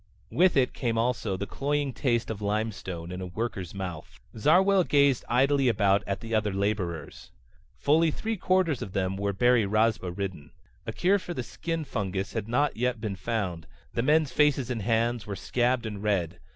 With it came also the cloying taste of limestone in a worker's mouth. Zarwell gazed idly about at the other laborers. Fully three quarters of them were beri rabza ridden. A cure for the skin fungus had not yet been found; the men's faces and hands were scabbed and red.